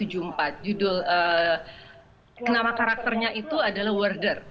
judul nama karakternya itu adalah worder